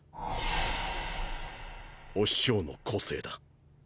お師匠の個性だ。